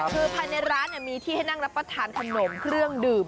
คือภายในร้านมีที่ให้นั่งรับประทานขนมเครื่องดื่ม